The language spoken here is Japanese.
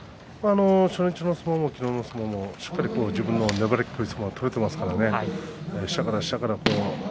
初日の相撲も昨日の相撲も自分の粘りっこい相撲が取れていますからね下から下から。